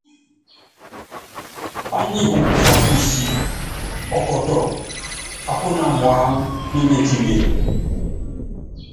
Pányi kukufá kúúsí, ɔkɔtɔ akúna muáŋá, nemetime.